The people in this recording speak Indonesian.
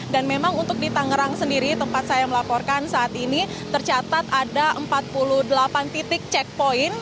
dan memang untuk di tangerang sendiri tempat saya melaporkan saat ini tercatat ada empat puluh delapan titik checkpoint